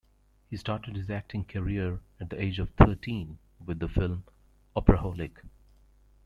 He started his acting career at the age of thirteen with the film "Opraholic".